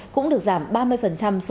cũng được giảm ba mươi thuế thu nhập